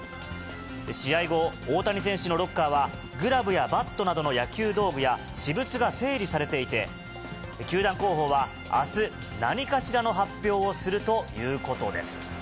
試合後、大谷選手のロッカーは、グラブやバットなどの野球道具や、私物が整理されていて、球団広報はあす、何かしらの発表をするということです。